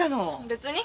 別に。